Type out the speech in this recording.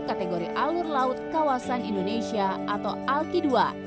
kaltara juga memiliki alur pelayaran yang termasuk kategori alur laut kawasan indonesia atau alki ii